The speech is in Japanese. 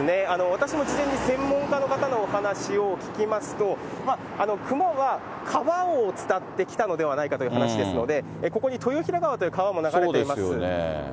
私も事前に専門家の方のお話を聞きますと、熊は川を伝って来たのではないかという話ですので、ここにとよひら川という川も流れています。